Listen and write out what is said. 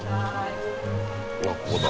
あっここだ。